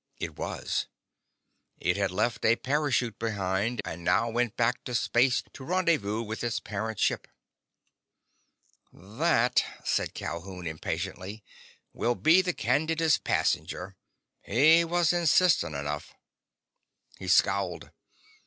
It was. It had left a parachute behind, and now went back to space to rendezvous with its parent ship. "That," said Calhoun impatiently, "will be the Candida's passenger. He was insistent enough." He scowled.